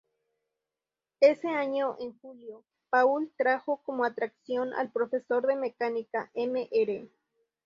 Ese, año, en julio, Paul trajo como atracción al profesor de mecánica Mr.